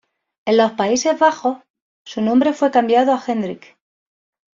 En los Países Bajos, su nombre fue cambiado a "Hendrik".